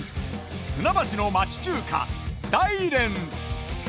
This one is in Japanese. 船橋の町中華大輦！